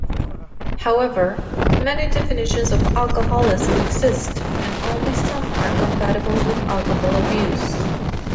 However, many definitions of alcoholism exist, and only some are compatible with alcohol abuse.